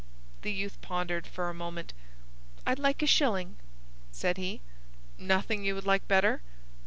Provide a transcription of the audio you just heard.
The youth pondered for a moment. "I'd like a shillin'," said he. "Nothing you would like better?"